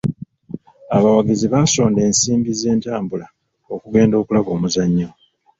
Abawagizi baasonda ensimbi z'entambula okugenda okulaba omuzannyo.